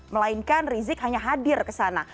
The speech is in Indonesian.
melainkan rizik hanya hadir ke sana